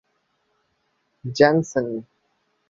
Jansen.